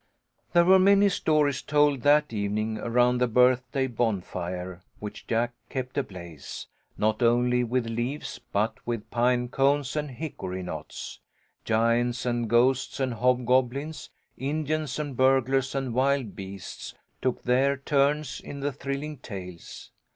There were many stories told that evening around the birthday bonfire, which Jack kept ablaze, not only with leaves, but with pine cones and hickory knots. Giants and ghosts and hobgoblins, Indians and burglars and wild beasts, took their turns in the thrilling tales.